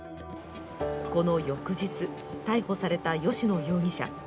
この翌日、逮捕された吉野容疑者。